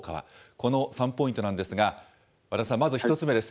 この３ポイントなんですが、和田さん、まず１つ目です。